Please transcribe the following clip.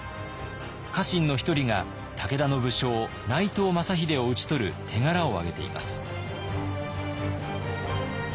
家臣の一人が武田の武将内藤昌秀を討ち取る手柄を挙げています。